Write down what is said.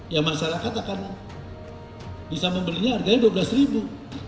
ya masyarakat akan bisa membelinya harganya dua belas ribu